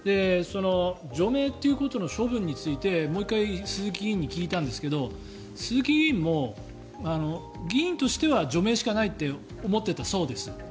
除名ということの処分についてもう１回鈴木議員に聞いたんですが鈴木議員も議員としては除名しかないって思っていたそうです。